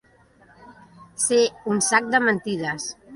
Ser un sac de mentides.